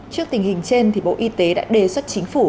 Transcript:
trước tình hình trên bộ y tế đã đề xuất chính phủ